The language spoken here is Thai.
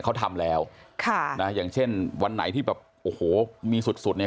เขาทำแล้วค่ะนะอย่างเช่นวันไหนที่แบบโอ้โหมีสุดสุดเนี่ย